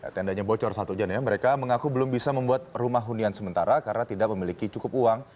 tendanya bocor saat hujan ya mereka mengaku belum bisa membuat rumah hunian sementara karena tidak memiliki cukup uang